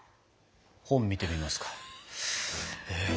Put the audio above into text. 本見てみますか。